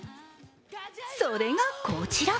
それがこちら。